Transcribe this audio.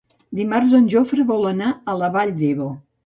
Dimarts en Jofre vol anar a la Vall d'Ebo.